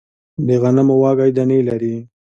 د غنمو وږی دانې لري